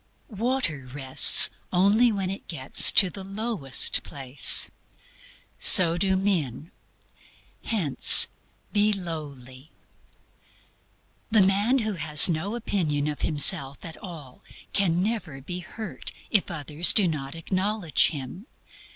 Water rests only when it gets to the lowest place. So do men. Hence, be lowly. The man who has no opinion of himself at all can never be hurt if others do not acknowledge him.